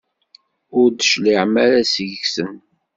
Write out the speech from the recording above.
Ur d-tecliɛem ara seg-sen.